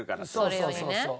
そうそうそうそう。